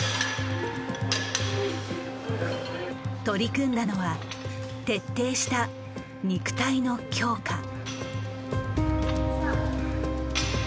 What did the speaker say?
取り組んだのは徹底した肉体の強化。